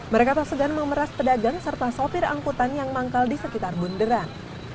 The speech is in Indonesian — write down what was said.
mereka tak segan memeras pedagang serta sopir angkutan yang manggal di sekitar bunderan